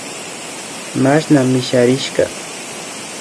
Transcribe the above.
Mashna misharishka